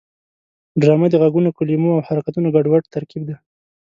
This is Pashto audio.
ډرامه د غږونو، کلمو او حرکتونو ګډوډ ترکیب دی